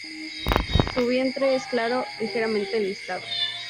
Su vientre es claro ligeramente listado.